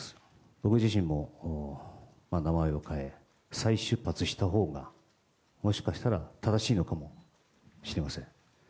僕自身も名前を変え、再出発したほうがもしかしたら正しいのかもしれません。